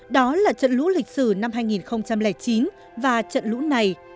đó là trận lũ lịch sử năm hai nghìn chín và trận lũ này